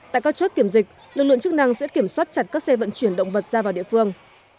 tại các chốt kiểm dịch lực lượng chức năng sẽ kiểm soát chặt các xe vận chuyển động vật ra vào địa phương